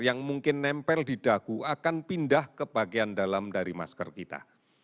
yang mungkin nempel di dagu akan pindah ke bagian dalam dari masker kita